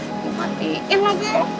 ini dimatiin lagi